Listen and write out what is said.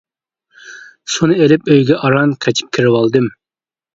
سۇنى ئېلىپ ئۆيگە ئاران قېچىپ كىرىۋالدىم.